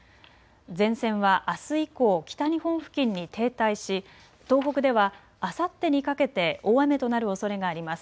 前線はあす以降、北日本付近に停滞し東北ではあさってにかけて大雨となるおそれがあります。